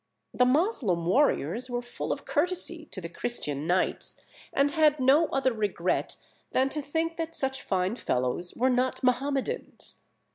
The Moslem warriors were full of courtesy to the Christian knights, and had no other regret than to think that such fine fellows were not Mahomedans.